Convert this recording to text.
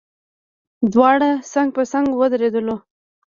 دواړه څنګ په څنګ ودرېدلو.